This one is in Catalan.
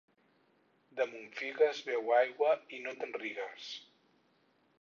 Damunt figues beu aigua i no te'n rigues.